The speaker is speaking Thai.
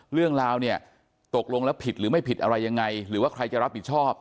เรื่องราวเนี่ยตกลงแล้วผิดหรือไม่ผิดอะไรยังไงหรือว่าใครจะรับผิดชอบ